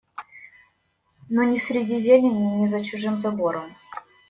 Но ни среди зелени, ни за чужим забором